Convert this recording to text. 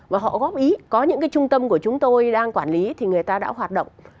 và họ góp ý có những cái trung tâm của chúng tôi đang quản lý thì người ta đã hoạt động